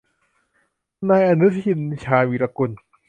นายอนุทิน ชาญวีรกูล